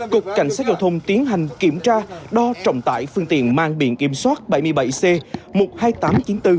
cục cảnh sát giao thông tiến hành kiểm tra đo trọng tải phương tiện mang biển kiểm soát bảy mươi bảy c một mươi hai nghìn tám trăm chín mươi bốn